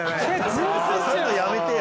そういうのやめてよ。